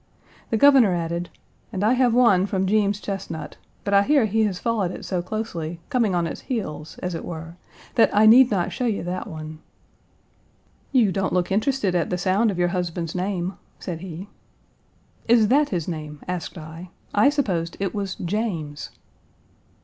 The Governor added, "And I have one from Jeems Chesnut, but I hear he has followed it so closely, coming on its heels, as it were, that I need not show you that one." "You don't look interested at the sound of your husband's name?" said he. "Is that his name?" asked I. "I supposed it was James."